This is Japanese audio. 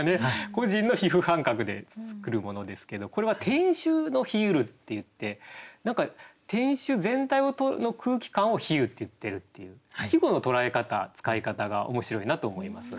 個人の皮膚感覚で作るものですけどこれは「天守の冷ゆる」って言って何か天守全体の空気感を「冷ゆ」って言ってるっていう季語の捉え方使い方が面白いなと思います。